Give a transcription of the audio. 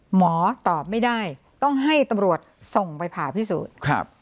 หมอตอบไม่ได้ต้องให้ตำรวจส่งไปผ่าพิสูจน์